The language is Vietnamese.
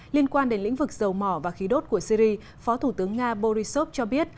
liên quan đến lĩnh vực dầu mỏ và khí đốt của syri phó thủ tướng nga borisov cho biết